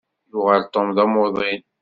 Yuɣal Tom d amuḍin.